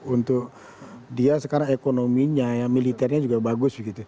untuk dia sekarang ekonominya militernya juga bagus begitu